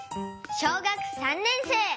小学３年生。